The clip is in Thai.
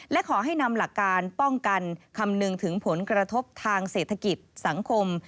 และขอให้นำหลักการป้องกันคำนึงถึงผลกระทบทางเศรษฐกิจสังคม